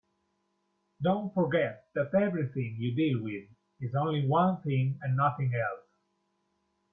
Don't forget that everything you deal with is only one thing and nothing else.